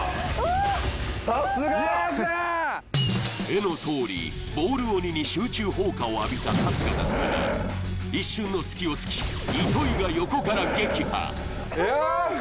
さすがよっしゃー絵のとおりボール鬼に集中砲火を浴びた春日だったが一瞬の隙をつき糸井が横から撃破よし！